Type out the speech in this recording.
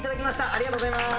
ありがとうございます。